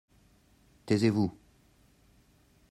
Taisez-vous.